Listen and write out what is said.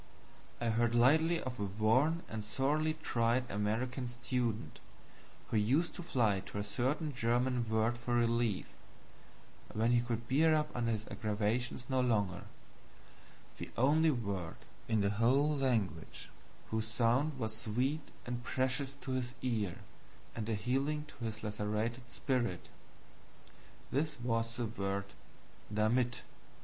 I heard lately of a worn and sorely tried American student who used to fly to a certain German word for relief when he could bear up under his aggravations no longer the only word whose sound was sweet and precious to his ear and healing to his lacerated spirit. This was the word DAMIT.